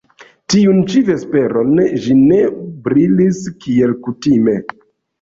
Tiun ĉi vesperon ĝi ne brilis kiel kutime.